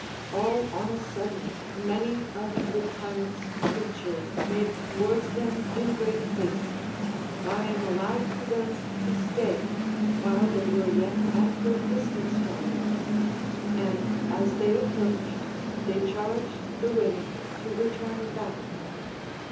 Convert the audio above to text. All on a sudden many of the tyrant's creatures made towards them in great haste, crying aloud to them to stay, while they were yet at great distance from them ; and as they approached, they charged the Avomen to return back.